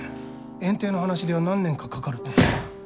園丁の話では何年かかかると。